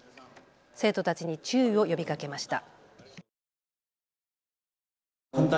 生徒たちに注意を呼びかけました。